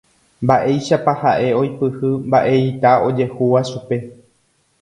mba'éichapa ha'e oipyhy mba'eita ojehúva chupe